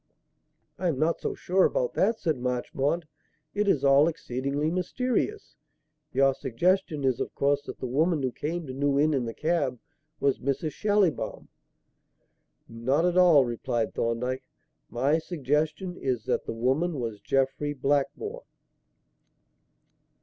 "I am not so sure about that," said Marchmont. "It is all exceedingly mysterious. Your suggestion is, of course, that the woman who came to New Inn in the cab was Mrs. Schallibaum!" "Not at all," replied Thorndyke. "My suggestion is that the woman was Jeffrey Blackmore."